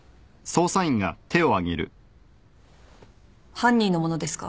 犯人のものですか？